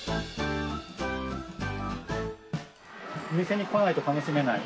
お店に来ないと楽しめない